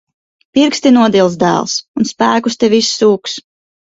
Pirksti nodils, dēls. Un spēkus tev izsūks.